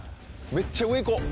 めっちゃ上いこう。